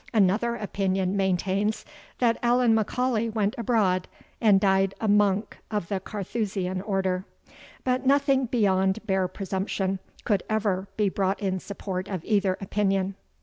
Another opinion maintains, that Allan M'Aulay went abroad and died a monk of the Carthusian order. But nothing beyond bare presumption could ever be brought in support of either opinion.